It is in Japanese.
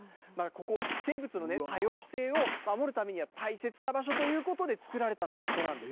ここ、生物の多様性を守るためには、大切な場所ということで作られたのがここなんです。